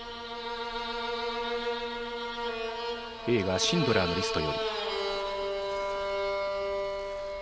映画「シンドラーのリスト」より。